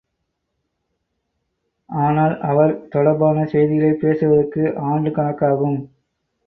ஆனால் அவர் தொடர்பான செய்திகளைப் பேசுவதற்கு ஆண்டுக் கணக்காகும்.